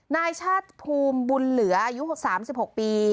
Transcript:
นายชาติภูมิบุญเหลืออายุ๓๖ปี